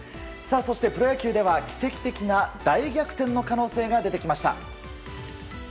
そしてプロ野球では奇跡的な大逆転の可能性が出てきました。